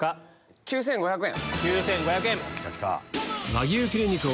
９５００円。